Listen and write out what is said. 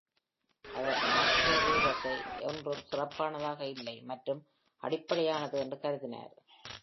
அவர் Marco ருவசை "ஓன்றும் சிறப்பானதாக இல்லை" மற்றும் "அடிப்படையானது" என்று கருதினார்.